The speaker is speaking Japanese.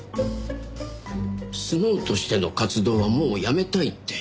スノウとしての活動はもうやめたいって。